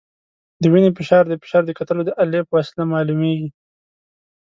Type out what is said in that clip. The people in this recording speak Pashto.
د وینې فشار د فشار د کتلو د الې په وسیله معلومېږي.